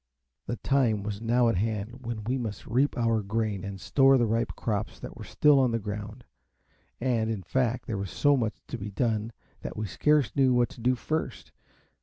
The time was now at hand when we must reap our grain and store the ripe crops that were still on the ground; and, in fact, there was so much to be done, that we scarce knew what to do first.